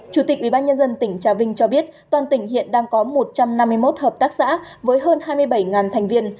chủ tịch ubnd tỉnh trà vinh cho biết toàn tỉnh hiện đang có một trăm năm mươi một hợp tác xã với hơn hai mươi bảy thành viên